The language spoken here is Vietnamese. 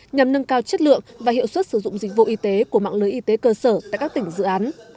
nhằm nâng cao chất lượng và hiệu suất sử dụng dịch vụ y tế của mạng lưới y tế cơ sở tại các tỉnh dự án